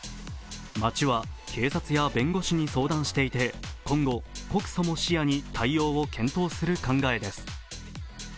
町は警察や弁護士に相談していて、今後、告訴も視野に対応を検討する予定です。